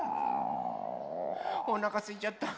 おなかすいちゃった。